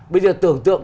bây giờ tưởng tượng